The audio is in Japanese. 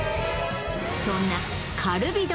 そんなカルビ丼